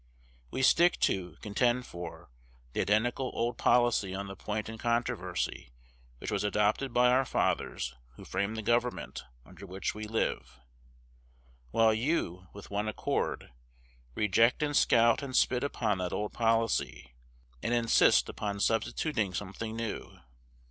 We stick to, contend for, the identical old policy on the point in controversy which was adopted by our fathers who framed the government under which we live; while you, with one accord, reject and scout and spit upon that old policy, and insist upon substituting something new.